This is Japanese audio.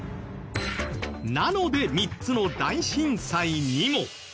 なので３つの大震災にも。